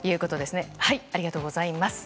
ありがとうございます。